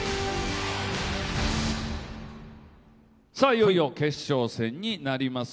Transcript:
いよいよ決勝戦になります。